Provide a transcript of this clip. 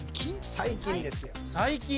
最近ですよ最近？